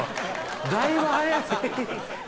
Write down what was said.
だいぶ早い。